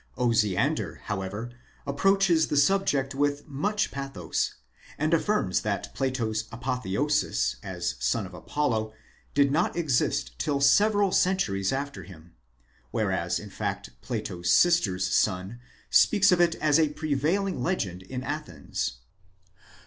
Osiander however approaches the subject with. much pathos, and affirms that Plato's apotheosis as son of Apollo did not exist till several centuries after him*®; whereas in fact Plato's sister's son speaks of it as a prevailing legend in Athens.